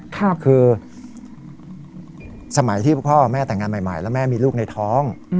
คือสมัยที่พ่อแม่แต่งงานใหม่แล้วแม่มีลูกในท้อง